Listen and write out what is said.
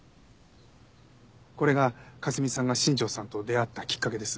これが香澄さんが新庄さんと出会ったきっかけです。